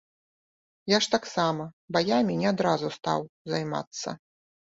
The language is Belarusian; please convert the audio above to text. Я ж таксама баямі не адразу стаў займацца.